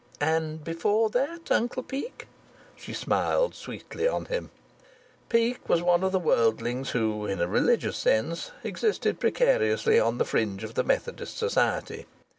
"And before that, Uncle Peake?" She smiled sweetly on him. Peake was one of the worldlings who, in a religious sense, existed precariously on the fringe of the Methodist Society.